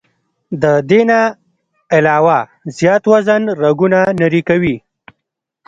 د دې نه علاوه زيات وزن رګونه نري کوي